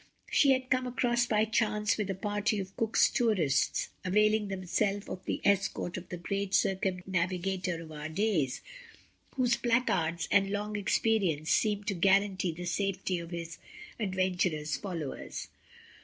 She had come across by chance with a party of Cook's tourists availing themselves of the escort of the great cir cumnavigator of our days, whose placards and long experience seemed to guarantee the safety of his adventurous followers.